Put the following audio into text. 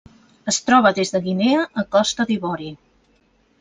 Es troba des de Guinea a Costa d'Ivori.